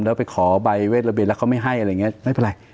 แล้วไปขอใบเวทระเบียนแล้วเขาไม่ให้อะไรอย่างนี้ไม่เป็นไร